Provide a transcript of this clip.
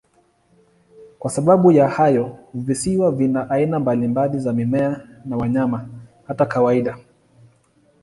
Kwa sababu ya hayo, visiwa vina aina mbalimbali za mimea na wanyama, hata kawaida.